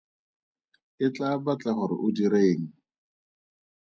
E tlaa batla gore o dire eng?